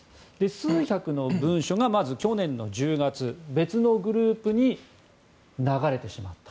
数百の文書がまず去年の１０月別のグループに流れてしまった。